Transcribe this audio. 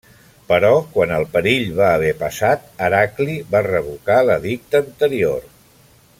Però quan el perill va haver passat Heracli va revocar l'edicte anterior.